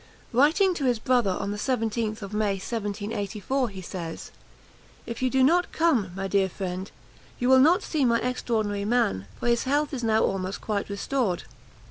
Writing to his brother, on the 17th of May 1784, he says, "If you do not come, my dear friend, you will not see my extraordinary man, for his health is now almost quite restored.